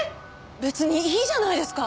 別にいいじゃないですか。